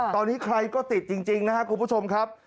ตอนนี้ใครก็ติดจริงนะครับคุณผู้ชมครับ